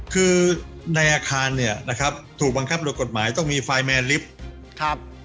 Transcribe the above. คือในอาคารถูกบังคับโดยกฎหมายต้องมีไฟล์แมนลิฟต์